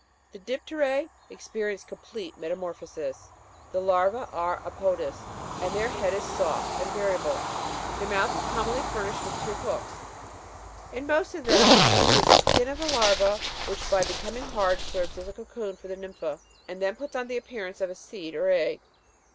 15. The dip'teras experience complete metamorphosis. The larvae are apodous, and their head is soft and variable ; their mouth is commonly furnished with two hooks. In most of them it is the skin of the larva, which, by becoming hard, serves as a cocoon for the nympha, and then puts on the appearance of a seed or egg.